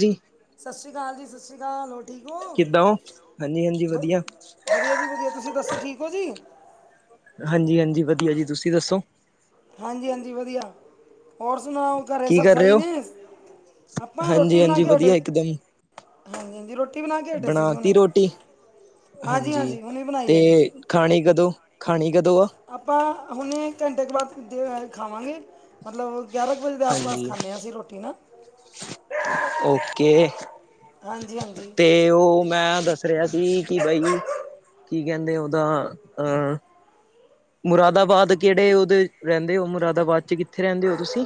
ਰੀ। ਸਸ਼੍ਰੀ ਕਾਲ ਜੀ ਸਸ਼੍ਰੀ ਕਾਲ ਹੋਰ ਠੀਕ ਅੋ, ਕਿੱਦਾਂ ਹੋ ਹਾਂਜੀ ਹਾਂਜੀ ਬ ਵਧੀਆ ਵਧੀਆ ਜੀ ਵਧੀਆ, ਤੁਸੀਂ ਦੱਸੋ ਠੀਕ ਹੋ ਜੀ। ਹਾਂਜੀ-ਹਾਂਜੀ ਵਧੀਆ ਜੀ ਤੁਸੀ ਦੱਸੋ ਹਾਂਜੀ-ਹਾਂਜੀ ਵਧੀਆ ਹੋਰ ਸੁਣਾਓ ਘਰੇ ਕੀ ਸਭ ਕਰ ਰਹੇ ਸਈ ਹੋ ਨੇ ਅਪਾਂ ਰੋਟੀ ਹਾਂਜੀ ਬਣਾ ਹਾਂਜੀ ਕੇ ਹੇਠੇ, ਵਧੀਆ ਇਕਦਮ ਹਾਂਜੀ-ਹਾਂਜੀ ਰੋਟੀ ਬਣਾ ਕੇ ਹੇਠੇ ਸੀ ਜੀ ਬਣਾਤੀ ਹੁਣੇ ਰੋਟੀ ਹਾਂਜੀ, ਹੁਣੇ ਬਣਾਈ ਤੇ ਹੈ ਜੀ ਖਾਣੀ ਕਦੋਂ, ਖਾਣੀ ਕਦੋਂ ਆ ਅਪਾ ਹੁਣੇ ਘੰਟੇ ਕੋ ਬਾਅਦ ਦੇ ਅ ਖਾਵਾਗੇ ਮਤਲਬ ਗਆਰਾ ਕੁ ਵਜੇ ਦੇ ਆਸ-ਪਾਸ ਹਾਂਜੀ ਖਾਣੇ ਆ ਅਸੀ ਰੋਟੀ ਨਾ ਓਕੇ ਹਾਂਜੀ ਹਾਂਜੀ ਤੇ ਓ ਮੈਂ ਦਸ ਰੇਹਾ ਸੀ ਕਿ ਬਈ, ਕੀ ਕੈੰਦੇ ਓਦਾ, ਅ ਮੁਰਾਦਾਬਾਦ ਕੇੜੇ ਓਦੇ, ਰੈੰਦੇ ਓ ਮੁਰਾਦਾਬਾਦ ਚ ਕਿੱਥੇ ਰੈੰਦੇ ਓ ਤੁਸੀ?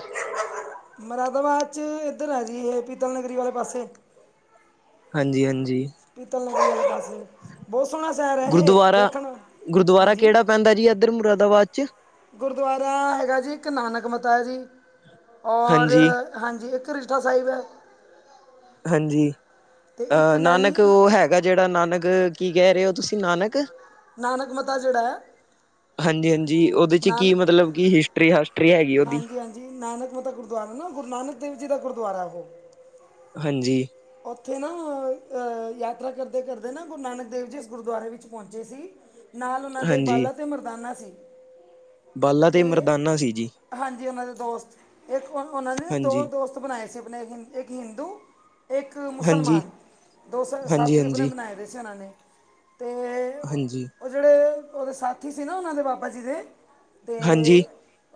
ਮੁਰਾਦਾਬਾਦ ਚ, ਏਧਰ ਹੈ ਜੀ ਏਹ, ਪੀਤਲ ਨਗਰੀ ਵਾਲੇ ਪਾਸੇ ਹਾਂਜੀ-ਹਾਂਜੀ। ਪੀਤਲ ਨਗਰੀ ਵਾਲੇ ਪਾਸੇ, ਬੋਤ ਸੋਣਾ ਸ਼ੈਰ ਹੈਯੇ ਗੁਰਦੁਆਰਾ ਦੇਖਣ ਨੂੰ, ਗੁਰਦੁਆਰਾ ਹਾਂਜੀ ਕਿਹੜਾ ਪੈਂਦਾ ਜੀ ਅਦ ਏਧਰ ਮੁਰਾਦਾਬਾਦ ਚ ਗੁਰਦਵਾਰਾ, ਹੈਗਾ ਜੀ ਇੱਕ ਨਾਨਕ ਮਤਾ ਜੀ, ਔਰ ਹਾਂਜੀ ਹਾਂਜੀ ਇੱਕ ਰਿਸ਼ਠਾ ਸਾਈਬ ਐ। ਹਾਂਜੀ, ਇੱਕ ਅ ਨੈਣੀ ਨਾਨਕ ਓ ਹੈਗਾ ਜੇੜਾ ਨਾਨਕ, ਕੀ ਕੈ ਰਹੇ ਹੋ ਤੁਸੀਂ ਨਾਨਕ ਨਾਨਕ ਮਤਾ ਜਿੜਾ। ਹਾਂਜੀ-ਹਾਂਜੀ, ਓਦੇ ਚ ਕੀ ਮਤਲਬ, ਕਿ ਹਿਸਟਰੀ-ਹਾਸਟਰੀ ਹੈਗੀ ਓਦੀ ਜੀ ਨਾਨਕਮਤਾ ਗੁਰਦੁਵਾਰਾ ਨਾ ਗੁਰੂ ਨਾਨਕ ਦੇਵ ਜੀ ਦਾ ਗੁਰਦੁਵਾਰਾ ਵੇ ਹਾਂਜੀ ਓਥੇ ਨਾ, ਅ ਯਾਤਰਾ ਕਰਦੇ-ਕਰਦੇ ਨਾ ਗੁਰੂ ਨਾਨਕ ਦੇਵ ਜੀ ਇਸ ਗੁਰਦੁਵਾਰੇ ਵਿੱਚ ਪੋਚੇ ਸੀ। ਨਾਲ ਓਨਾ ਦੇ ਹਾਂਜੀ ਬਾਲਾ ਤੇ ਮਰਦਾਨਾ ਸੀ। ਬਾਲਾ ਤੇ ਮਰਦਾਨਾ ਸੀ ਜੀ ਹਾਂਜੀ, ਓਨਾ ਦੇ ਦੋਸਤ, ਏਕ ਓ ਓਨਾ ਨੇ ਦੋ ਹਾਂਜੀ ਦੋਸਤ ਬਣਾਏ ਸੀ। ਅਪਣੇ ਹਿੰ ਏਕ ਹਿੰਦੂ ਏਕ ਹਾਂਜੀ ਮੁਸਲਮਾਨ, ਦੋਸ ਸ ਹਾਂਜੀ ਸਾਥੀ ਆਪਣੇ ਹਾਂਜੀ ਬਣਾਏ ਦੇ ਸੀ। ਉਨਾਂ ਨੇ, ਤੇ ਹਾਂਜੀ ਓ ਜਿਹੜੇ, ਓਦੇ ਸਾਥੀ ਸੀ ਨਾ ਓਨਾ ਦੇ ਬਾਬਾ ਜੀ ਦੇ ਹਾਂਜੀ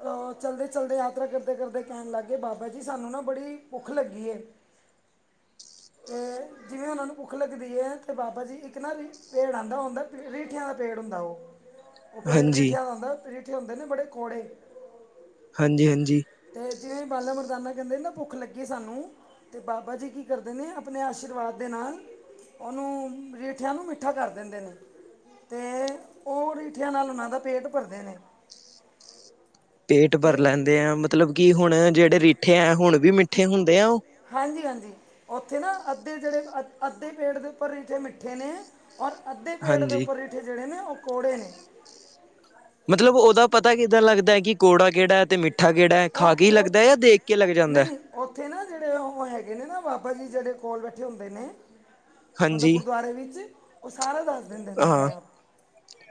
ਅ, ਚਲਦੇ-ਚਲਦੇ ਯਾਤਰਾ ਕਰਦੇ-ਕਰਦੇ ਕੈੰਣ ਲਾਗੇ ਬਾਬਾ ਜੀ ਸਾਨੂੰ ਨਾ ਬੜੀ ਭੁੱਖ ਲੱਗੀ ਏ। [inaudible] ਜਿਵੇਂ ਓਨਾਂ ਨੂੰ ਭੁੱਖ ਲੱਗਦੀ ਏ, ਤੇ ਬਾਬਾ ਜੀ ਇੱਕ ਨਾ ਵੀ ਪੇੜ ਆਂਦਾ ਹੁੰਦਾ ਪੇ ਰੀਠੇਆ ਦਾ ਪੇੜ ਹੁੰਦਾ ਓ ਓ ਪੇੜ ਹਾਂਜੀ ਰੀਠੇਆਂ ਦਾ ਹੁੰਦਾ, ਰੀਠੇ ਹੁੰਦੇ ਨੇ ਬੜੇ ਕੋੜੇ ਹਾਂਜੀ-ਹਾਂਜੀ ਤੇ ਜਿਵੇ ਬਾਲਾ ਮਰਦਾਨਾ ਕੈਦੇ ਨਾ ਭੁੱਖ ਲੱਗੀ ਸਾਨੂੰ, ਤੇ ਬਾਬਾ ਜੀ ਕੀ ਕਰਦੇ ਨੇ ਆਪਣੇ ਆਸ਼ੀਰਵਾਦ ਦੇ ਨਾਲ, ਓਨੂੰ ਰੀਠੇਆਂ ਨੂੰ ਮਿੱਠਾ ਕੱਰ ਦਿੰਦੇ ਨੇ। ਤੇ, ਓ ਰੀਠੇਆਂ ਨਾਲ ਓਨਾ ਦਾ ਪੇਟ ਭਰਦੇ ਨੇ। [inaudible] ਪੇਟ ਤੇ ਭਰ ਲੈਂਦੇ ਆਂ। ਮਤਲਬ ਕਿ ਹੁਣ ਜਿਹੜੇ ਰੀਠੇ ਆਂ, ਹੁਣ ਵੀ ਮਿੱਠੇ ਹੁੰਦੇ ਆ ਉਹ? ਹਾਂਜੀ-ਹਾਂਜੀ, ਉੱਥੇ ਨਾ ਅੱਧੇ ਜਿਹੜੇ ਅ, ਅੱਧੇ ਪੇੜ ਦੇ ਉੱਪਰ ਰਿਠੇ ਮਿੱਠੇ ਨੇਂ। ਔਰ ਅੱਧੇ ਪੇੜ ਦੇ ਹਾਂਜੀ ਉੱਪਰ ਰਿਠੇ ਜਿਹੜੇ ਨੇ, ਉਹ ਕੌੜੇ ਨੇ। ਮਤਲਬ ਉਹਦਾ ਪਤਾ ਕਿੱਦਾਂ ਲੱਗਦਾ ਐ, ਕਿ ਕੌੜਾ ਕਿਹੜਾ ਐ ਤੇ ਮਿੱਠ ਮਿੱਠਾ ਕੇੜਾ, ਖਾ ਉਹ ਕੇ ਉਹ ਲੱਗਦਾ ਏ, ਜਾਂ ਦੇਖ ਕੇ ਲੱਗ ਨਹੀਂ ਜਾਂਦਾਂ? ਨਹੀਂ ਉੱਥੇ ਨਾ ਜਿਹੜੇ ਉਹ ਹੈਗੇ ਨੇ ਨਾ ਬਾਬਾ ਜੀ, ਜਿਹੜੇ ਕੋਲ ਬੈਠੇ ਹੁੰਦੇ ਨੇ ਮਤਲਬ ਹਾਂਜੀ ਗੁਰਦੁਆਰੇ ਵਿੱਚ, ਉਹ ਸਾਰਾ ਦੱਸ ਦਿੰਦੇ ਨੇ ਹਾਂ ਆਪਣੇ ਆਪ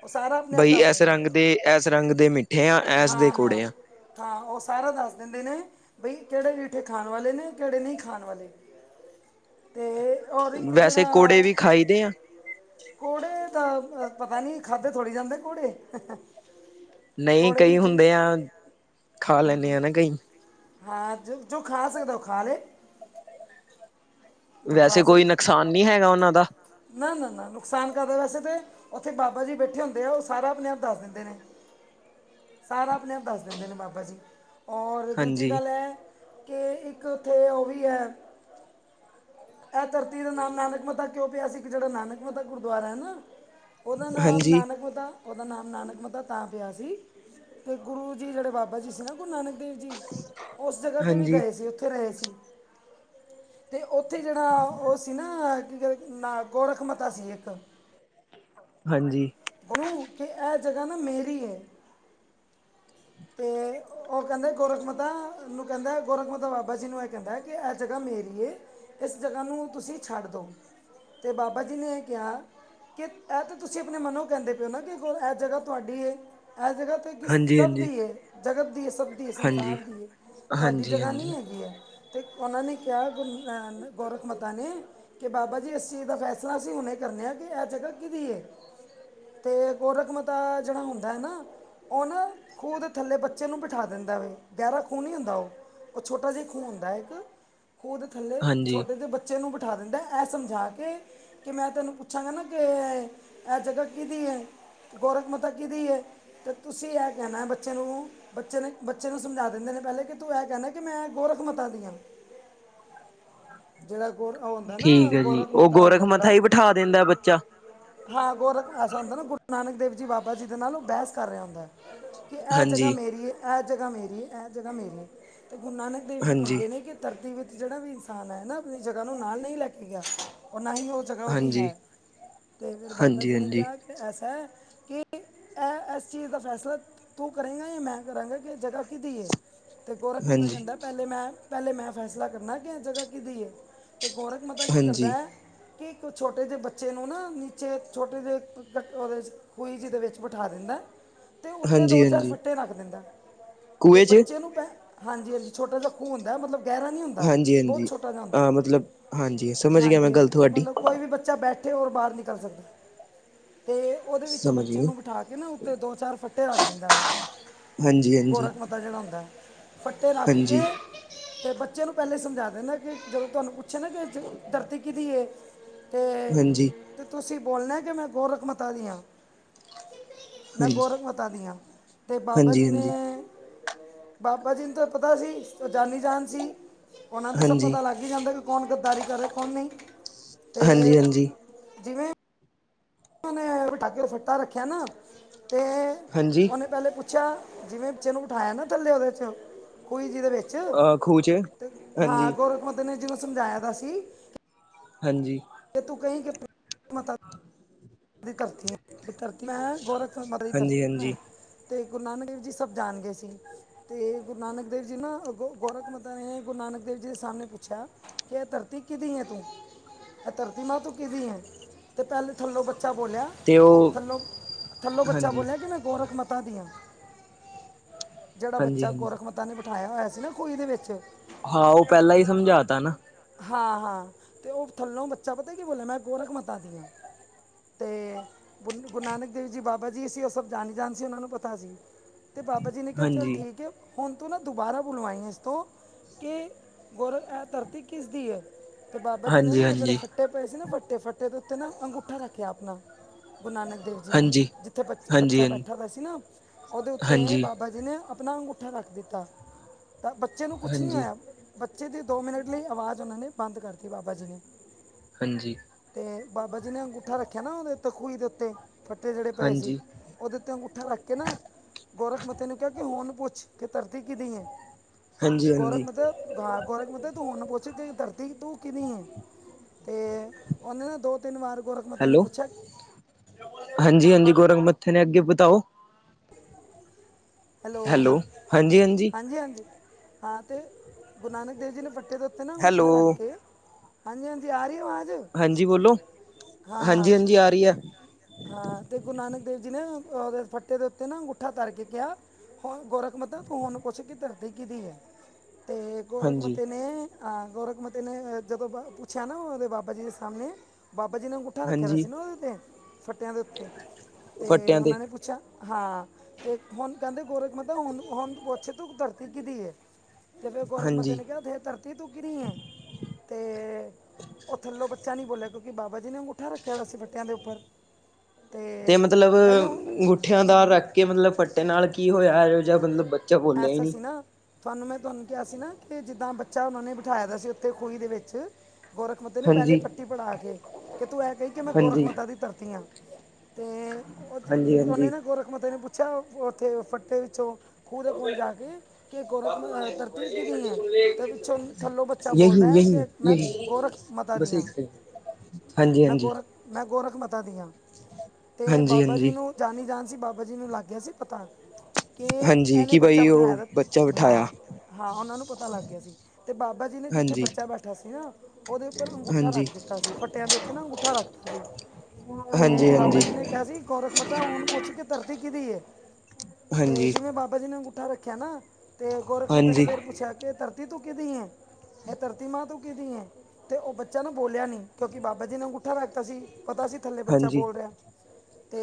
ਉਹ ਸਾਰਾ, ਆਪਣੇ ਆਪ ਦੱਸ ਦਿੰਦੇ ਨੇ। ਏਸ ਰੰਗ ਦੇ ਮਿੱਠੇ ਆਂ, ਏਸ ਦੇ ਹਾਂ ਹਾਂ ਕੋੜੇ ਆਂ। ਹਾਂ ਉਹ ਸਾਰਾ ਦੱਸ ਦਿੰਦੇ ਨੇ, ਬਈ ਕਿਹੜੇ ਰੀਠੇ ਖਾਣ ਵਾਲੇ ਨੇ, ਕਿਹੜੇ ਨਹੀਂ ਖਾਣ ਵਾਲੇ। ਤੇ ਔਰ ਇੱਕ ਵੈਸੇ ਕੋੜੇ ਜਿਹੜਾ ਵੀ ਖਾਈਦੇ ਆ? ਕੋੜੇ ਦਾ ਅ ਪਤਾ ਨਹੀਂ, ਖਾਧੇ ਥੋੜ੍ਹੀ ਜਾਂਦੇ ਕੋੜੇ। ਨਹੀਂ ਕੋੜੇ ਕਈ ਰੀਠੇ ਨਹੀਂ। ਹੁੰਦੇ ਆਂ, ਖਾ ਲੈਂਨੇ ਹਾਂਜੀ ਆਂ ਨਾ ਕਈ ਹਾਂ, ਜ ਜੋ ਖਾ ਸਕਦਾ, ਉਹ ਖਾ ਲੇ। ਜੋ ਵੈਸੇ ਕੋਈ, ਨੁਕਸਾਨ ਨੀਂ ਹੈਗਾ ਉਹਨਾਂ ਦਾ? ਨਾ-ਨਾ-ਨਾ, ਨੁਕਸਾਨ ਕਾਹਦਾ ਵੈਸੇ ਤੇ ਉੱਥੇ ਬਾਬਾ ਜੀ ਬੈਠੇ ਹੁੰਦੇ ਆ, ਉਹ ਸਾਰਾ ਆਪਣੇ ਆਪ ਦੱਸ ਦਿੰਦੇ ਨੇ। ਸਾਰਾ ਆਪਣੇ ਆਪ ਦੱਸ ਦਿੰਦੇ ਨੇ ਬਾਬਾ ਜੀ, ਔਰ ਦੂਜੀ ਹਾਂਜੀ ਗੱਲ ਐ ਕਿ, ਇੱਕ ਉੱਥੇ ਉਹ ਵੀ ਹੈ। ਇਹ ਧਰਤੀ ਦਾ ਨਾਮ ਨਾਨਕਮਤਾ ਕਿਉਂ ਪਿਆ ਸੀ, ਜਿਹੜਾ ਨਾਨਕਮਤਾ ਗੁਰਦੁਆਰਾ ਹੈ ਨਾ ਉਹਦਾ ਨਾਮ ਹਾਂਜੀ ਨਾਨਕਮਤਾ, ਉਹਦਾ ਨਾਮ ਨਾਨਕਮਤਾ ਤਾਂ ਪਿਆ ਸੀ। ਤੇ ਗੁਰੂ ਜੀ, ਜਿਹੜੇ ਬਾਬਾ ਜੀ ਸੀ ਨਾ ਗੁਰੂ ਨਾਨਕ ਦੇਵ ਜੀ, ਉਸ ਜਗ੍ਹਾ ਤੇ ਵੀ ਹਾਂਜੀ ਗਏ ਸੀ ਉੱਥੇ ਰਹੇ ਸੀ। ਤੇ ਉੱਥੇ ਜਿਹੜਾ ਉਹ ਸੀ ਨਾ ਕੀ ਕਹਿੰਦੇ ਨਾ, ਗੋਰਖਮਤਾ ਸੀ ਇੱਕ ਹਾਂਜੀ ਉਹਨੂੰ ਕਿ, ਇਹ ਜਗ੍ਹਾ ਨਾ ਮੇਰੀ ਐ [inaudible] ਤੇ ਉਹ ਕਹਿੰਦੇ ਗੋਰਖਮਤਾ, ਨੂ ਕਹਿੰਦੇ ਗੋਰਖਮਤਾ, ਬਾਬਾ ਜੀ ਨੂੰ ਇਹ ਕਹਿੰਦਾ ਕਿ ਇਹ ਜਗ੍ਹਾ ਮੇਰੀ ਏ, ਇਸ ਜਗ੍ਹਾ ਨੂੰ ਤੁਸੀਂ ਛੱਡ ਦੋ। ਤੇ ਬਾਬਾ ਜੀ ਨੇ ਇਹ ਕਿਹਾ, ਕਿ ਇਹ ਤਾਂ ਤੁਸੀਂ ਆਪਣੇ ਮਨੋ ਕਹਿੰਦੇ ਪਏ ਓ ਨਾ ਕਿ ਇਹ ਜਗ੍ਹਾ ਤੁਹਾਡੀ ਏ, ਇਸ ਜਗ੍ਹਾ ਤੇ ਕਿਸ, ਹਾਂਜੀ ਸਭ ਦੀ ਏ, ਜਗਤ ਦੀ ਏ, ਸਭ ਸੰਸਾਰ ਹਾਂਜੀ ਹਾਂਜੀ ਦੀ, ਤੁਹਾਡੀ ਜਗ੍ਹਾ ਨੀ ਹਾਂਜੀ ਹੈਗੀ ਹੈ। ਅਤੇ ਉਹਨਾਂ ਨੇ ਕਿਹਾ, ਗ ਗੋੌਰਖ ਮਾਤਾ ਨੇ ਕਿ ਬਾਬਾ ਜੀ, ਇਸ ਚੀਜ਼ ਦਾ ਫੈਸਲਾ ਅਸੀਂ ਹੁਣੇ ਕਰਨੇ ਆ। ਕਿ ਇਹ ਜਗ੍ਹਾ ਕਿਹਦੀ ਏ? ਤੇ, ਗੋਰਕ ਮਤਾ ਜਿਹੜਾ ਹੁੰਦਾ ਹੈ ਨਾ ਉਹ ਨਾ, ਖੂਹ ਦੇ ਥੱਲੇ ਬੱਚੇ ਨੂੰ ਬਿਠਾ ਦਿੰਦਾ ਵੇ, ਗਹਿਰਾ ਖੂਹ ਨਹੀਂ ਹੁੰਦਾ ਉਹ। ਉਹ ਛੋਟਾ ਜਿਹਾ ਖੂਹੁੰ ਹੁੰਦਾ ਇੱਕ, ਖੂਹ ਦੇ ਥੱਲੇ ਹਾਂਜੀ ਛੋਟੇ ਜਿਹੇ ਬੱਚੇ ਬੱਚੇ ਨੂੰ ਬਿਠਾ ਦਿੰਦਾ ਇਹ ਸਮਝਾ ਕੇ, ਕਿ ਮੈਂ ਤੈਨੂੰ ਪੁੱਛਾਂਗਾ ਨਾ ਕਿ ਇਹ ਜਗ੍ਹਾ ਕਿਹਦੀ ਹੈ, ਗੋੌਰਖ ਮਾਤਾ ਕਿਹਦੀ ਹੈ, ਤਾਂ ਤੁਸੀਂ ਇਹ ਕਹਿਣਾ ਬੱਚੇ ਨੂੰ ਬੱਚੇ ਨੇ-ਬੱਚੇ ਨੂੰ ਸਮਝਾ ਦਿੰਦੇ ਨੇ ਪਹਿਲੇ ਕਿ, ਤੂੰ ਇਹ ਕਹਿੰਣਾ ਕਿ ਮੈਂ ਗੋਰਖ ਮੱਤਾ ਦੀ ਹਾਂ। ਜਿੜਾ ਗੋ ੳ ਠੀਕ ਹੈ ਜੀ, ਉਹ ਗੋਰਖ ਮੱਥਾ ਹੀ ਬਿਠਾ ਦਿੰਦਾ ਬੱਚਾ? ਹਾਂ ਗੋਰਖ ਐਸਾ ਹੁੰਦਾ ਨਾ, ਗੁਰੂ ਨਾਨਕ ਦੇਵ ਜੀ ਬਾਬਾ ਜੀ ਦੇ ਨਾਲ, ਬਹਿਸ ਕਰ ਰਿਹਾ ਹੁੰਦਾ ਹੈ। ਕਿ ਇਹ ਜਗ੍ਹਾ ਹਾਂਜੀ ਹਾਂਜੀ ਮੇਰੀ ਹੈ, ਇਹ ਜਗ੍ਹਾ ਮੇਰੀ ਹੈ, ਇਹ ਜਗ੍ਹਾ ਮੇਰੀ ਹੈ। ਅਤੇ ਗੁਰੂ ਨਾਨਕ ਦੇਵ ਜੀ ਹਾਂਜੀ ਕਹਿੰਦੇ ਨੇ ਕਿ ਧਰਤੀ ਵਿੱਚ ਜਿਹੜਾ ਵੀ ਇਨਸਾਨ ਹੈ ਨਾ ਆਪਣੀ ਜਗ੍ਹਾ ਨੂੰ ਨਾਲ ਨਹੀਂ ਲੈ ਕੇ ਗਿਆ ਨਾ ਹੀ ਉਹ ਜਗ੍ਹਾ ਉਹਦੀ ਹਾਂਜੀ ਹੈ ਤੇ ਫਿਰ ਬਾਬਾ ਹਾਂਜੀ ਜੀ ਨੇ ਹਾਂਜੀ ਕਿਹਾ ਕਿ ਐਸਾ ਹੈ ਕਿ ਇਹ ਇਸ ਚੀਜ਼ ਦਾ ਫੈਸਲਾ ਤੂੰ ਕਰੇਗਾ ਜਾਂ ਮੈਂ ਕਰਾਂਗਾ ਕਿ ਜਗ੍ਹਾ ਕਿਹਦੀ ਹੈ। ਤੇ ਗੋਰਖ ਮੱਥ ਕਹਿੰਦਾ ਪਹਿਲੇ ਮੈਂ ਪਹਿਲੇ ਮੈਂ ਫੈਸਲਾ ਕਰਨਾ ਕਿ ਇਹ ਜਗ੍ਹਾ ਕਿਹਦੀ ਹੈ। ਤੇ ਗੋਰਖ ਮਤਾ ਕੀ ਹਾਂਜੀ ਕਰਦਾ ਹੈ ਕਿ ਇੱਕ ਛੋਟੇ ਜਿਹੇ ਬੱਚੇ ਨੂੰ ਨਾ ਨੀਚੇ ਛੋਟੇ ਜਿਹੇ ਕੱਟ ਉਹਦੇ ਖੋਈ ਜਿਹਦੇ ਵਿੱਚ ਬਿਠਾ ਦਿੰਦਾ ਤੇ ਉੱਤੇ ਹਾਂਜੀ ਦੋ ਚਾਰ ਹਾਂਜੀ ਫੱਟੇ ਰੱਖ ਦਿੰਦਾ ਤੇ ਕੂਏ ਚ ਬੱਚੇ ਪ ਹਾਂਜੀ ਹਾਂ ਛੋਟਾ ਜਿਹਾ ਖੂਹ ਹੁੰਦਾ ਮਤਲਬ ਗਹਿਰਾ ਨਹੀਂ ਹੁੰਦਾ ਹਾਂਜੀ ਬਹੁਤ ਹਾਂਜੀ ਛੋਟਾ ਜਿਹਾ ਹੁੰਦਾ ਅ ਮਤਲਬ ਹਾਂਜੀ ਸਮਝ ਗਿਆ ਮੈਂ ਹਾਂਜੀ ਗੱਲ ਹਾਂਜੀ ਤੁਹਾਡੀ ਮਤਲਬ ਕੋਈ ਵੀ ਬੱਚਾ ਬੈਠੇ ਹੋਰ ਬਾਹਰ ਨਿਕਲ ਸਕਦਾ ਤੇ ਉਹਦੇ ਵਿੱਚ ਸਮਝ ਬੱਚਿਆਂ ਗਈ ਨੂੰ ਬਿਠਾ ਕੇ ਨਾ ਉੱਤੇ ਦੋ ਚਾਰ ਫੱਟੇ ਰੱਖ ਦਿੰਦਾ ਉਹ ਹਾਂਜੀ ਹਾਂਜੀ ਇਹੋ ਜਿਹਾ ਹੁੰਦਾ ਫੱਟੇ ਰੱਖ ਕੇ ਹਾਂਜੀ ਤੇ ਬੱਚੇ ਨੂੰ ਪਹਿਲੇ ਸਮਝਾ ਦੇਣਾ ਕਿ ਜਦੋਂ ਤੁਹਾਨੂੰ ਪੁੱਛੇ ਨਾ ਕਿ ਧਰਤੀ ਕਿਹਦੀ ਹਾਂਜੀ ਹਾਂਜੀ ਤੇ ਤੁਸੀਂ ਬੋਲਣਾ ਕਿ ਮੈਂ ਗੋਰਖ ਮਤਾ ਦੀ ਹਾਂ। ਮੈਂ ਹਾਂਜੀ ਗੌਰਖ ਮਤਾ ਦੀ ਹਾਂ ਤੇ ਬਾਬਾ ਜੀ ਨੇ ਹਾਂਜੀ ਬਾਬਾ ਜੀ ਨੂੰ ਤਾਂ ਪਤਾ ਸੀ ਉਹ ਜਾਨੀ ਜਾਨ ਸੀ ਉਹਨਾਂ ਤੇ ਸਭ ਹਾਂਜੀ ਪਤਾ ਲੱਗ ਲੱਗ ਜਾਂਦਾ ਕਿ ਕੌਣ ਗੱਦਾਰੀ ਕਰੇ ਕੌਣ ਨਹੀਂ ਤੇ ਹਾਂਜੀ ਹਾਂਜੀ ਜਿਵੇਂ ਉਨੇ ਪਟਾਕੇ ਦਾ ਫੱਟਾ ਰੱਖਿਆ ਨਾ ਤੇ ਹਾਂਜੀ ਉਹਨੇ ਪਹਿਲੇ ਪੁੱਛਿਆ ਜਿਵੇਂ ਬੱਚੇ ਨੂੰ ਉਠਾਇਆ ਨਾ ਥੱਲੇ ਉਹਦੇ ' ਚ ਖੋਈ ਜਿਹਦੇ ਅ ਖੂਹ ਚ ਹਾਂ ਹਾਂਜੀ ਗੋਰਖ ਮਦਰ ਨੇ ਜਿਹਨੂੰ ਸਮਝਾਇਆ ਦਾ ਸੀ। ਹਾਂਜੀ ਤੇ ਤੂੰ ਕਹੀ ਕਿ ਮਤਾ ਧਰਤੀ ਮੈਂ ਗੋਰਖ ਮਦ ਦੀ ਧਰਤੀ ਹਾਂਜੀ ਮੈਂ ਹਾਂਜੀ ਤੇ ਗੁਰੂ ਨਾਨਕ ਦੇਵ ਜੀ ਸਭ ਜਾਣ ਗਏ ਸੀ। ਤੇ ਗੁਰੂ ਨਾਨਕ ਦੇਵ ਜੀ ਨਾ ਗੋੌਰਖ ਮਾਤਾ ਨੇ ਗੁਰੂ ਨਾਨਕ ਦੇਵ ਜੀ ਦੇ ਸਾਹਮਣੇ ਪੁੱਛਿਆ ਕਿ ਇਹ ਧਰਤੀ ਕਿਹਦੀ ਆ ਤੂੰ ਇਹ ਧਰਤੀ ਮਾਂ ਤੂੰ ਕਿਹਦੀ ਆਂ ਤੇ ਪਹਿਲੇ ਥੱਲੋਂ ਬੱਚਾ ਬੋਲਿਆ ਤੇ ਉਹ ਥੱਲੋ ਥੱਲੋ ਬੱਚਾ ਹਾਂਜੀ ਬੋਲਿਆ ਕਿ ਮੈਂ ਗੋਰਖ ਮਤਾ ਦੀ ਹਾਂ। ਜਿਹੜਾ ਹਾਂਜੀ ਬੱਚਾ ਹਾਂਜੀ ਗੋਰਖ ਮੱਤਾ ਨੇ ਬਿਠਾਇਆ ਹੋਇਆ ਸੀ ਨਾ ਖੂਈ ਦੇ ਵਿੱਚ ਹਾਂ ਉਹ ਪਹਿਲਾਂ ਹੀ ਸਮਝਾ ਤਾਂ ਨਾ ਹਾਂ ਹਾਂ ਤੇ ਉਹ ਥੱਲੋਂ ਬੱਚਾ ਪਤਾ ਕੀ ਬੋਲਿਆ ਮੈਂ ਗੋਰਖ ਮਾਤਾ ਦੀ ਆ ਤੇ ਗੁਰੂ ਨਾਨਕ ਦੇਵ ਜੀ ਬਾਬਾ ਜੀ ਸੀ ਉਹ ਸਭ ਜਾਨੀ ਜਾਣ ਸੀ ਉਹਨਾਂ ਨੂੰ ਪਤਾ ਸੀ। ਤੇ ਬਾਬਾ ਜੀ ਨੇ ਕਿਹਾ ਚੱਲ ਹਾਂਜੀ ਠੀਕ ਹੈ। ਹੁਣ ਤੋਂ ਨਾ ਦੁਬਾਰਾ ਬੁਲਵਾਈ ਇਸ ਤੋਂ ਕੇ ਗੌਰ ਧਰਤੀ ਕਿਸ ਦੀ ਹੈ। ਤੇ ਬਾਬਾ ਜੀ ਨੇ ਹਾਂਜੀ ਨਾ ਉਹ ਜਹੜੇ ਹਾਂਜੀ ਫੱ ਫੱਟੇ ਪਏ ਸੀ ਨਾ ਫੱਟੇ ਫੱਟੇ ਦੇ ਉੱਤੇ ਨਾ ਅੰਗੂਠਾ ਰੱਖਿਆ ਆਪਣਾ ਗੁਰੂ ਨਾਨਕ ਦੇਵ ਜੀ ਨੇ ਹਾਂਜੀ ਜਿੱਥੇ ਬੱਚਾ ਹਾਂਜੀ ਬੈਠਾ ਦਾ ਸੀ ਨਾ ਉਹਦੇ ਉੱਤੇ ਹਾਂਜੀ ਹਾਂਜੀ ਬਾਬਾ ਜੀ ਨੇ ਆਪਣਾ ਅੰਗੂਠਾ ਰੱਖ ਦਿੱਤਾ ਤਾਂ ਬੱਚੇ ਨੂੰ ਕੁਛ ਨਹੀਂ ਹਾਂਜੀ ਹੋਇਆ ਬੱਚੇ ਦੀ ਦੋ ਮਿੰਟ ਆਵਾਜ਼ ਉਹਨਾਂ ਨੇ ਬੰਦ ਕਰਤੀ ਬਾਬਾ ਜੀ ਨੇ ਹਾਂਜੀ ਤੇ ਬਾਬਾ ਜੀ ਨੇ ਅੰਗੂਠਾ ਰੱਖਿਆ ਨਾ ਉਹਦੇ ਉੱਤੇ ਖੂਈ ਦੇ ਉੱਤੇ ਫੱਟੇ ਜਿਹੜੇ ਪਏ ਸੀ। ਹਾਂਜੀ ਉਹਦੇ ਉੱਤੇ ਅੰਗੂਠਾ ਰੱਖ ਕੇ ਨਾ ਗੋਰਖ ਮਤੇ ਨੂੰ ਕਿਹਾ ਕਿ ਹੁਣ ਪੁੱਛ ਕੇ ਧਰਤੀ ਕਿਹਦੀ ਹੈ। ਹਾਂਜੀ ਗੋਰਖ ਹਾਂਜੀ ਮਤਲਬ ਗੋਰਖ ਮਤ ਤੂ ਹੁਨ ਪੁੱਛ ਕੇ ਧਰਤੀ ਤੂੰ ਕਿਂਦੀ ਏ? ਤੇ ੳਨੇ ਨਾ ਦੋ-ਤਿੰਨ ਵਾਰ ਗੋਰਖ ਮੱਤੇ ਨੇ ਹੈਲੋ ਪੁੱਛੇਆ ਹਾਂਜੀ ਹਾਂਜੀ, ਗੋਰਖ ਮੱਥੇ ਨੇ, ਅੱਗੇ ਬਤਾਓ? ਹੈਲੋ, ਹਾਂਜੀ-ਹਾਂਜੀ। ਹਾਂਜੀ ਹਾਂਜੀ ਹਾਂ ਤੇ ਗੁਰੂ ਨਾਨਕ ਦੇਵ ਜੀ ਨੇ ਵੱਟੇ ਦੇ ਉੱਤੇ ਨਾ ਹੈਲੋ ਅੰਗੂਠਾ ਰੱਖ ਕੇ ਹਾਂਜੀ ਹਾਂਜੀ, ਆ ਰੀ ਏ ਅਵਾਜ? ਹਾਂਜੀ ਬੋਲੋ, ਹਾਂਜੀ ਹਾਂਜੀ ਆ ਰੀ ਆ। ਹਾਂ ਤੇ ਗੁਰੂ ਨਾਨਕ ਦੇਵ ਜੀ ਨੇ ੳਦੇ ਵੱਟੇ ਦੇ ਉੱਤੇ ਨਾ ਅੰਗੂਠਾ ਧਰ ਕੇ ਕੇਆ ਹ ਗੋਰਖ ਮੱਥੇ ਤੂੰ ਹੁਨ ਪੁੱਛ ਕੇ ਧਰਤੀ ਕਿਦੀ ਏ? ਤੇ ਗੋਰਖ ਹਾਂਜੀ ਮੱਥੇ ਨੇ ਹਾਂ ਗੋੌਰਖ ਮੱਥੇ ਨੇ ਜਦੋਂ ਪੁੱਛਿਆ ਨਾ ੳਦੇ ਬਾਬਾ ਜੀ ਦੇ ਸਾਮਨੇ, ਬਾਬਾ ਜੀ ਨੇ ਅੰਗੂਠਾ ਰੱਖੇਆ ਦਾ ਹਾਂਜੀ ਸੀ ਨਾ ੳਦੇ ਉੱਤੇ ਵੱਟੇ ਦੇ ਉੱਤੇ ਤੇ ੳਨਾਂ ਨੇ ਪੁੱਛੇਆ ਹਾਂ ਤੇ ਹੁਨ ਕਹੰਦੇ ਗੋਰਖ ਮੱਥੇ ਹੁਨ ਹੁਨ ਪੁੱਛ ਤੂੰ, ਧਰਤੀ ਕਿਦੀ ਏ? ਤੇ ਫੇਰ ਗੋੌਰਖ ਮੱਥੇ ਹਾਂਜੀ ਨੇ ਕੇਆ, ਹੇ ਧਰਤੀ ਤੂੰ ਕਿਦੀ ਏ? ਤੇ ੳਹ ਥੱਲੋਂ ਬੱਚਾ ਨਈ ਬੋਲੇਆ ਕਿਉਂਕਿ ਬਾਬਾ ਜੀ ਨੇ ਅੰਗੂਠਾ ਰੱਖੇਆ ਸੀ ਵਟੇਆਂ ਦੇ ਉੱਪਰ ਤੇ ਮਤਲਬ ਅੰਗੁਠੇਆਂ ਦਾ ਰੱਖ ਕੇ ਮਤਲਬ ਵੱਟੇ ਨਾਲ ਕੀ ਹੋਇਆ? ਜਿਹਾ ਮਤਲਬ ਬੱਚਾ ਬੋਲਿਆ ਹੀ ਆਸਾ ਨਹੀਂ ਸੀ ਨਾ ਤਾਨੂੰ ਮੈਂ ਤਾਨੂੰ ਕਿਆ ਸੀ ਨਾ ਕਿ ਜਿੱਦਾ ਬੱਚਾ ੳਨਾਂ ਨੇ ਬੇਠਾਇਆ ਦਾ ਸੀ ੳਥੇ ਖੁਈ ਦੇ ਵਿੱਚ ਗੋਰਖ ਮੱਥੇ ਨੇ ਪਹਲੇ ਹਾਂਜੀ ਪੱਟੀ ਪੜਾ ਕੇ, ਕੇ ਤੂੰ ਏ ਕਹੀ ਕਿ ਮੈਂ ਗੋਰਖ ਹਾਂਜੀ ਮੱਥਾ ਦੀ ਧਰਤੀ ਆਂ। ਤੇ ੳਦੇ ਹਾਂਜੀ ੳਨੇ ਹਾਂਜੀ ਨਾ ਗੋਰਖ ਮੱਥੇ ਨੇ ਪੁੱਛੇਆ ੳ ੳਥੇ ਫੱਟੇ ਵਿੱਚੋਂ ਖੂਹ ਦੇ ਕੋਲ ਜਾ ਕੇ ਕਿ ਗੋਰਖ ਮ- ਅਹ ਧਰਤੀ ਕਿਹਦੀ ਹੈ ਤੇ ਵਿੱਚੋਂ ਥੱਲੋਂ ਬੱਚਾ ਬੋਲਦਾ ਹੈ ਕਿ ਮੈਂ ਗੋਰਖ ਮਤਾ ਦੀ ਹਾਂ [unintelligible] ਹਾਂਜੀ ਮੈਂ ਹਾਂਜੀ। ਗੋਰਖ ਮੈਂ ਗੋਰਖ ਮੱਥਾ ਦੀ ਹਾਂ, ਤੇ ਹਾਂਜੀ ਬਾਬਾ ਜੀ ਹਾਂਜੀ ਨੂੰ ਜਾਨੀ- ਜਾਨ ਸੀ, ਬਾਬਾ ਜੀ ਨੂੰ ਲੱਗ ਗਿਆ ਸੀ ਪਤਾ ਕੇ ਹਾਂਜੀ ਏਨੇ ਕਿ ਬੱਚਾ ਬਈ ਬੇਠਾਏਆ ਉਹ ਦਾ ਬੱਚਾ ਏ ਹਾਂ, ਬਿਠਾਇਆ ਹਾਂ ੳਨਾਂ ਨੂੰ ਪਤਾ ਲੱਗ ਗਿਆ ਸੀ। ਤੇ ਬਾਬਾ ਜੀ ਨੇ ਜਿੱਥੇ ਹਾਂਜੀ ਬੱਚਾ ਬੈਠਾ ਸੀ ਨਾ, ੳਦੇ ਉੱਪਰ ਅੰਗੂਠਾ ਹਾਂਜੀ ਰੱਖ ਦਿੱਤਾ ਸੀ। ਫੱਟੇਆਂ ਦੇ ਉੱਤੇ ਨਾ ਅੰਗੂਠਾ ਰੱਖਤਾ ਸੀ, ਹਾਂਜੀ ਤੇ ਬਾਬਾ ਜੀ ਨੇ ਹਾਂਜੀ ਕੇਆ ਸੀ ਗੋਰਖ ਮੱਥਾ ਹੁਨ ਪੁੱਛ ਕੇ ਧਰਤੀ ਕਿਦੀ ਏ? ਤੇ ਹਾਂਜੀ ਜਿਵੇਂ ਬਾਬਾ ਜੀ ਨੇ ਅੰਗੂਠਾ ਰੱਖੇਆ ਨਾ, ਤੇ ਗੋਰਖ ਮਾਤਾ ਨੇ ਹਾਂਜੀ ਫੇਰ ਪੁੱਛੇਆ ਕਿ ਧਰਤੀ ਤੂੰ ਕਿਦੀ ਏ? ਹੇ ਧਰਤੀ ਮਾਂ ਤੂੰ ਕਿਦੀ ਏ? ਤੇ ੳਹ ਬੱਚਾ ਨਾ ਬੋਲੇਆ ਨੀ, ਕਿਉਂਕਿ ਬਾਬਾ ਜੀ ਨੇ ਅੰਗੂਠਾ ਰਖਤਾ ਸੀ, ਪਤਾ ਸੀ ਥੱਲੇ ਬੱਚਾ ਹਾਂਜੀ, ਬੋਲ ਰੇਆ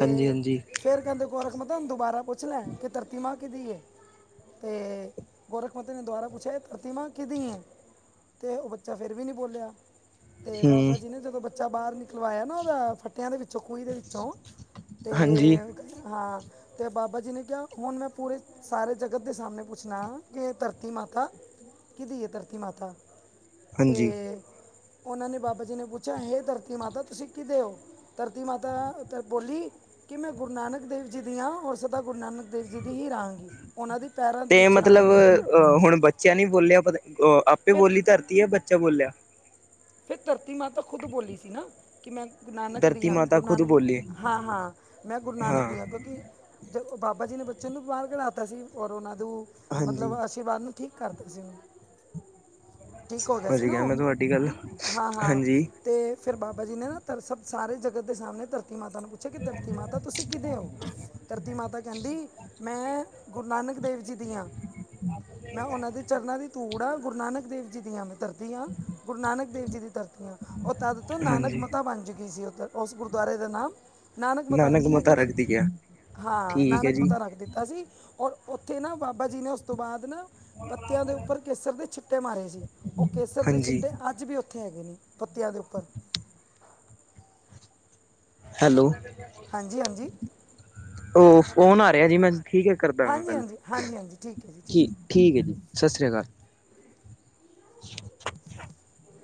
ਹਾਂਜੀ, ਹਾਂਜੀ ਫੇਰ ਕੈੰਦੇ ਗੋੌਰਖ ਮੱਥਾ ਹੁਨ ਦੁਬਾਰਾ ਪੁੱਛ ਲੇ ਕਿ ਧਰਤੀ ਮਾ ਕਿਦੀ ਏ? ਤੇ ਗੋਰਖ ਮੱਥੇ ਨੇ ਦੁਬਾਰਾ ਪੁੱਛਆ ਕੇ, ਹੇ ਧਰਤੀ ਮਾਂ ਕਿਦੀ ਏ? ਤੇ ੳ ਬੱਚਾ ਫੇਰ ਵੀ ਨਈ ਬੋਲਿਆ ਤੇ ਹੂੰ, ਬਾਬਾ ਜੀ ਨੇ ਜਦੋਂ ਬੱਚਾ ਬਾਹਰ ਨਿ ਖੁਲਵਾਏਆ ਨਾ ੳਦਾ ਫੱਟੇਆਂ ਦੇ ਵਿੱਚੋਂ, ਖੂਈ ਦੇ ਵਿੱਚੋਂ ਹਾਂਜੀ, ਤੇ ਹਾਂ ਤੇ ਬਾਬਾ ਜੀ ਨੇ ਕੇਆ ਹੁਨ ਮੈਂ ਪੂਰੇ ਸਾਰੇ ਜਗਤ ਦੇ ਸਾਮਨੇ ਪੁੱਛਨਾ ਕੇ ਧਰਤੀ ਮਾਤਾ ਕਿਦੀ ਏ ਧਰਤੀ ਮਾਤਾ ਤੇ ਹਾਂਜੀ। ੳਨਾ ਨੇ, ਬਾਬਾ ਜੀ ਨੇ ਪੁੱਛਆ ਹੇ ਧਰਤੀ ਮਾਤਾ ਤੁਸੀ ਕਿਦੇ ੳ? ਧਰਤੀ ਮਾਤਾ ਧ ਬੋਲੀ ਕਿ ਮੈਂ ਗੁਰੂ ਨਾਨਕ ਦੇਵ ਜੀ ਦੀ ਆਂ, ਔਰ ਸਦਾ ਗੁਰੂ ਨਾਨਕ ਦੇਵ ਜੀ ਦੀ ਹੀ ਰਾਂ ਗੀ। ੳਨਾਂ ਦੀ ਪੈਰਾਂ ਦੇ ਤੇ ਵਿੱਚ ਮਤਲਬ ਰਹਾਂਗੀ ਅਹ ਹੁਨ ਬੱਚਾ ਨੀ ਬੋਲੇਆ, ਪਤਾ ਆਪੇ ਫਿਰ ਬੋਲੀ ਧਰਤੀ ਯਾ ਬੱਚਾ ਬੋਲੇਆ। ਫੇਰ ਧਰਤੀ ਮਾਤਾ ਖੁਦ ਬੋਲੀ ਸੀ ਨਾ। ਕਿ ਮੈਂ ਗੁਰੂ ਨਾਨਕ ਦੀ ਧਰਤੀ ਹਾਂ, ਮਾਤਾ ਗੁਰੂ ਖੁਦ ਨਾਨਕ ਬੋਲੀ ਹਾਂ ਹਾਂ, ਮੈਂ ਗੁਰੂ ਨਾਨਕ ਦੀ ਹਾਂ, ਕਿਉਂਕਿ ਜ ਬਾਬਾ ਜੀ ਨੇ ਬੱਚੇ ਨੂੰ ਵੀ ਬਾਹਰ ਕਢਾ ਤਾ ਸੀ ਔਰ ੳਨਾਂ ਦੁ ਮਤਲਬ ਹਾਂਜੀ ਵਾਰ ਨੂੰ ਠੀਕ ਕਰਤਾ ਸੀ ਠੀਕ ਹੋ ਗਿਆ ਸੀ ਹਜੀ ਨਾ ਕਿਹਾ ਮੈਂ ਉਹ ਤੁਹਾਡੀ ਗੱਲ। ਹਾਂ- ਹਾਂ ਹਾਂਜੀ, ਤੇ ਫਿਰ ਬਾਬਾ ਜੀ ਨੇ ਨਾ ਧ ਸਭ ਸਾਰੇ ਜਗਤ ਦੇ ਸਾਹਮਣੇ ਧਰਤੀ ਮਾਤਾ ਨੂੰ ਪੁੱ ੱਛ ਕਿ ਧਰਤੀ ਮਾਤਾ ਤੁਸੀਂ ਕਿਹਤੇ ਹੋਓ? ਧਰਤੀ ਮਾਤਾ ਕਹਿੰਦੀ ਮੈਂ ਗੁਰੂ ਨਾਨਕ ਦੇਵ ਜੀ ਦੀ ਹਾਂ ਮੈਂ ਉਹਨਾਂ ਦੇ ਚਰਨਾਂ ਦੀ ਧੂੜ ਆ ਗੁਰੂ ਨਾਨਕ ਦੇਵ ਜੀ ਦੀਆਂ ਮੈਂ ਦਦੀ ਹਾਂ ਗੁਰੂ ਨਾਨਕ ਦੇਵ ਜੀ ਦੀ ਧਰਤੀ ਆ ਉਹ ਤਦ ਤੋਂ ਨਾਨਕ ਹਾਂਜੀ ਮਾਤਾ ਬਣ ਚੁੱਕੀ ਸੀ ਉ ਉਸ ਗੁਰਦੁਆਰੇ ਦਾ ਨਾਮ ਨਾਨਕ ਮਤਾ ਰੱਖਿਆ ਗਿਆ ਸੀ ਹਾਂ ਠੀਕ ਹੈ ਨਾਨਕ ਜੀ। ਮਤਾ ਰੱਖ ਦਿੱਤਾ ਸੀ। ਔਰ ਉੱਥੇ ਨਾ ਬਾਬਾ ਜੀ ਨੇ ਉਸ ਤੋਂ ਬਾਅਦ ਨਾ ਪੱਤਿਆਂ ਦੇ ਉੱਪਰ ਕੇਸਰ ਦੇ ਛਿੱਟੇ ਮਾਰੇ ਸੀ ਉਹ ਕੇਸਰ ਦੇ ਛਿੱਟੇ ਹਾਂਜੀ, ਅੱਜ ਵੀ ਉੱਥੇ ਹੈਗੇ ਨਹੀਂ ਪੁੱਤਿਆਂ ਦੇ ਉੱਪਰ ਹੈਲੋ। ਹਾਂਜੀ -ਹਾਂਜੀ। ਉਹ ਫੋਨ ਆ ਰਿਹਾ ਜੀ, ਮੈਂ ਠੀਕ ਹੈ ਕਰਦਾ ਵ ਹਾਂਜੀ ਗੱਲ ਹਾਂਜੀ ਹਾਂਜੀ ਹਾਂਜੀ ਠੀਕ ਹੈ ਜੀ ਠੀਕ ਹੈ ਠੀਕ ਹੈ ਜੀ, ਸਤਿ ਸ਼੍ਰੀ ਅਕਾਲ। [inaudible]